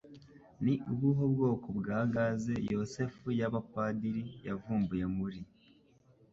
Ni ubuhe bwoko bwa gaze Yosefu Yabapadiri Yavumbuye Muri